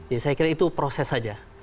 jadi saya kira itu proses saja